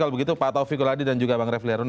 kalau begitu pak tovikuladi dan juga bang refli harun